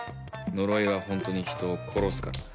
呪いは本当に人を殺すからな。